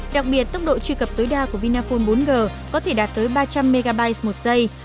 đặc biệt tốc độ truy cập tối đa của vinaphone bốn g có thể đạt tới ba trăm linh m một giây